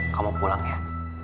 kamu pulang ya